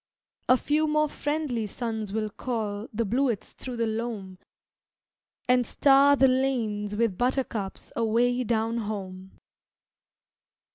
A few more friendly suns will call The bluets through the loam And star the lanes with buttercups Away down home.